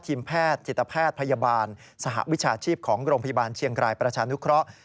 ทีมแพทย์จิตแพทย์พยาบาลสหวิชาชีพของโรงพยาบาลเชียงรายประชานุเคราะห์